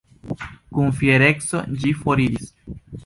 Kun fiereco, ĝi foriris.